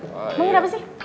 mau ngira apa sih